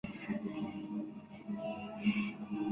Pero la amplitud de sus intereses fue mucho mayor.